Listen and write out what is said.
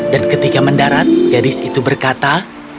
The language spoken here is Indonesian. dan ketika mendarat gadis itu berkata